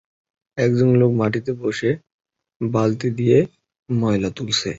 একজন লোক মাটিতে বসে বালতি দিয়ে ময়লা তুলছে।